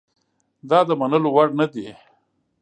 دا د منلو وړ نه دي.